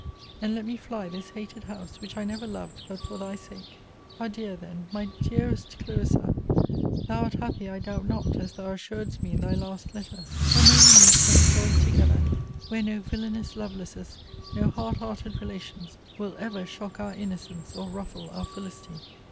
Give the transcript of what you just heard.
And let me fly this hated house, which I never loved but for thy sake! Adieu then, my dearest CLARISSA! Thou art happy, I doubt not, as thou assuredst me in thy last letter! O may we meet, and rejoice together, where no villanous Lovelaces, no hard hearted relations, will ever shock our innocence, or ruffle our felicity!